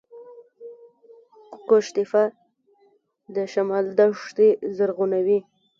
قوش تیپه د شمال دښتې زرغونوي